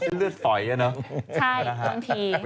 เส้นเลือดฝอยอ่ะเนาะ